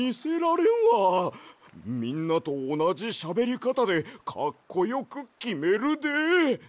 みんなとおなじしゃべりかたでかっこよくきめるで。